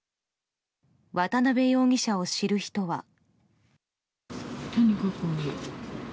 渡辺容疑者を知る人は。